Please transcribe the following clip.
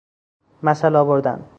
مثل آوردن